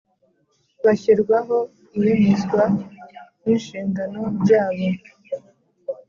Bashyirwaho iyemezwa n inshingano byabo